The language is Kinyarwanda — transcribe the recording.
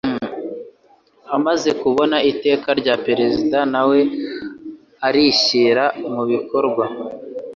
Amaze kubona Iteka rya Perezida n awe arishyira mubikorwa